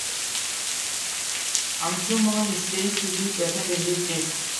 Amshuman is said to be present in the Wind.